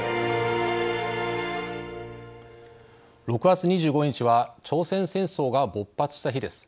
６月２５日は朝鮮戦争が勃発した日です。